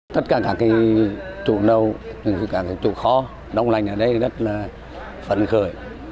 tất cả các chủ nâu các chủ khó đông lạnh ở đây rất là phấn khởi